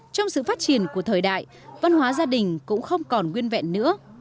trong sự phát triển của thời đại văn hóa gia đình cũng không còn nguyên vẹn nữa